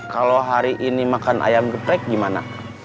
kalau hari ini makan ayam geprek gimana